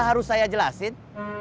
harus saya jelasin